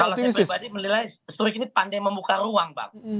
kalau saya pribadi menilai story ini pandai membuka ruang bang